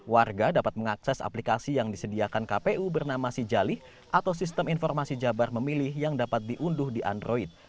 warga dapat mengakses aplikasi yang disediakan kpu bernama si jalih atau sistem informasi jabar memilih yang dapat diunduh di android